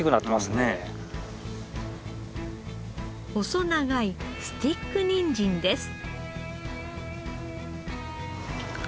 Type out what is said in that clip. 細長いスティックニンジンです。